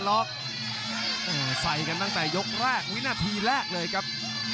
ใส่กันตั้งแต่ยกแรกวินาทีแรกเลยครับ